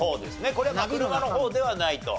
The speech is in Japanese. これは車の方ではないと。